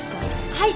はい。